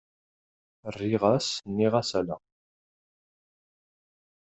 Rriɣ-as,-nniɣ-as ala.